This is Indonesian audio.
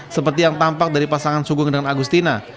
seperti yang tampak dari pasangan sugung dengan agustina